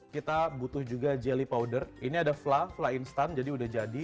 kita butuh juga jelly powder ini ada fluffli instan jadi udah jadi